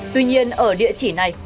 tuy nhiên ở địa chỉ này